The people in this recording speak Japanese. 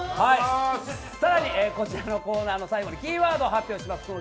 更に、こちらのコーナーの最後にキーワードを発表します。